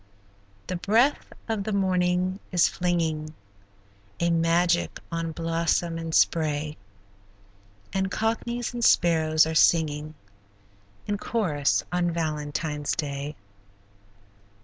The breath of the morning is flinging A magic on blossom and spray, And cockneys and sparrows are singing In chorus on Valentine's day.